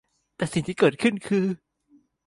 แต่สิ่งที่เกิดขึ้นคือ